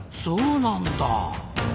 そうなんだ。